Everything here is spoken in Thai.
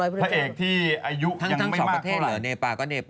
พระเอกที่อายุทั้งสองประเทศ